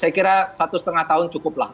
saya kira satu setengah tahun cukup lah